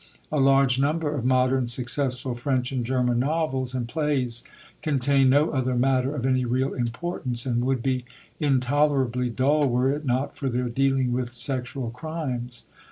A large number of modern successful French and German novels and plays contain no other matter of any real importance and would be intolerably dull were it not for their dealing with sexual crimes.